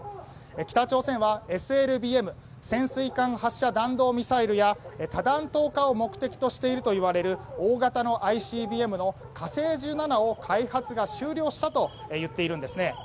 北朝鮮はＳＬＢＭ・潜水艦発射弾道ミサイルや多弾頭化を目的としているといわれる大型のＩＣＢＭの「火星１７」を開発が終了したといっているんですね。